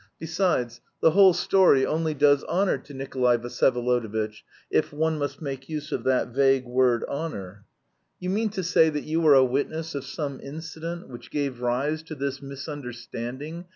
Besides, the whole story only does honour to Nikolay Vsyevolodovitch, if one must make use of that vague word 'honour.'" "You mean to say that you were a witness of some incident which gave rise... to this misunderstanding?"